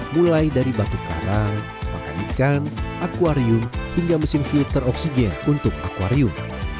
mulai dari batu karang pakan ikan akwarium hingga mesin filter oksigen untuk akwarium